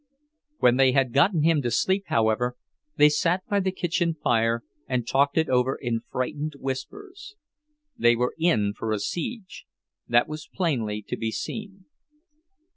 When they had gotten him to sleep, however, they sat by the kitchen fire and talked it over in frightened whispers. They were in for a siege, that was plainly to be seen.